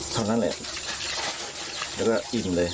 คราวนั้น